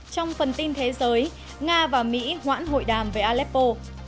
trong phần tin thế giới nga và mỹ hoãn hội đàm với aleppo